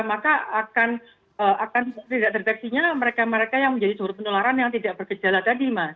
maka akan tidak terdeteksinya mereka mereka yang menjadi sumber penularan yang tidak bergejala tadi mas